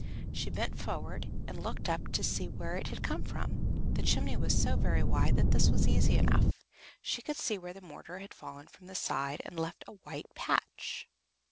She bent forward and looked up to see where it had come from. The chimney was so very wide that this was easy enough. She could see where the mortar had fallen from the side and left a white patch.